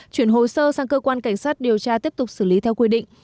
chuyển hồ sơ sang cơ quan cảnh sát điều tra tiếp tục xử lý theo quy định